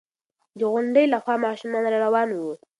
د غونډۍ له خوا ماشومان را روان وو.